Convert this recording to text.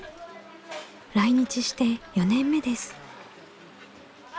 来日して４年目です。